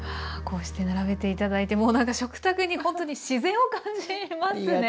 こうして並べて頂いてもうなんか食卓に本当に自然を感じますね。